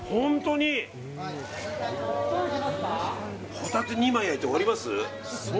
ホタテ２枚焼いて終わります？